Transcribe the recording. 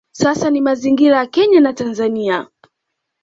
Sasa ni mazingira ya Kenya na Tanzania